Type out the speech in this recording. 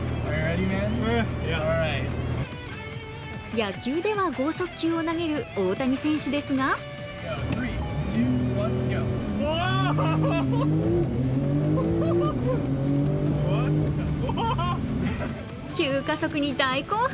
野球では剛速球を投げる大谷選手ですが急加速に大興奮。